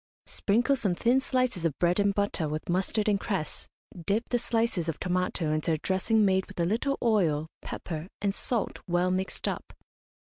Sprinkle some thin slices of bread and butter with mustard and cress, dip the slices of tomato into a dressing made with a little oil, pepper, and salt, well mixed up.